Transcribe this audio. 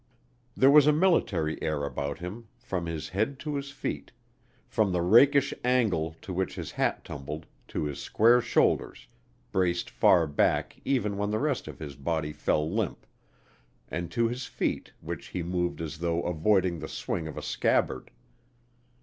There was a military air about him from his head to his feet; from the rakish angle to which his hat tumbled, to his square shoulders, braced far back even when the rest of his body fell limp, and to his feet which he moved as though avoiding the swing of a scabbard.